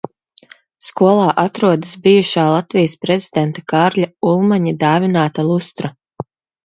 Skolā atrodas bijušā Latvijas prezidenta Kārļa Ulmaņa dāvināta lustra.